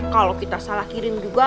kalau kita salah kirim juga